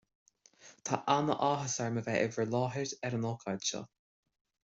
Tá an-áthas orm a bheith in bhur láthair ar an ócáid seo